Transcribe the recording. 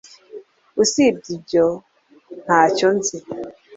Usibye ibyo ntacyo nzi